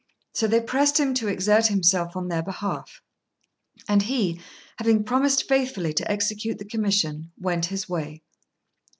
So they pressed him to exert himself on their behalf; and he, having promised faithfully to execute the commission, went his way.